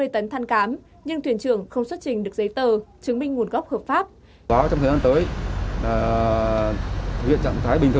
một trăm bốn mươi tấn thăn cám nhưng thuyền trưởng không xuất trình